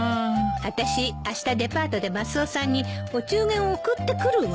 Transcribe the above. あたしあしたデパートでマスオさんにお中元送ってくるわ。